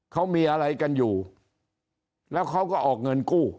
เขามีอะไรกันอยู่แล้วเขาก็ออกเงินกู้